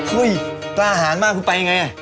เฮ้ยกล้าอาหารมากคุณไปยังไงอ่ะ